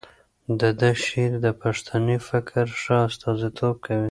د ده شعر د پښتني فکر ښه استازیتوب کوي.